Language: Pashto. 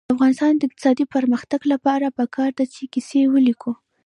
د افغانستان د اقتصادي پرمختګ لپاره پکار ده چې کیسې ولیکو.